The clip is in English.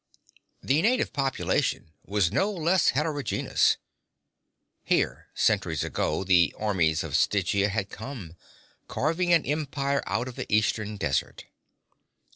The native population was no less heterogenous. Here, centuries ago, the armies of Stygia had come, carving an empire out of the eastern desert.